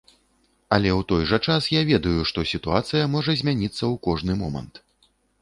Але ў той жа час я ведаю, што сітуацыя можа змяніцца ў кожны момант.